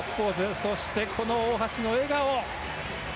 そして大橋の笑顔。